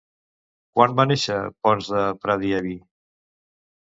Quan va néixer Ponç de Pradievi?